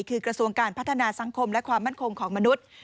คือกระทรวงการพัฒนาสังคมและความมั่นคงของมนุษย์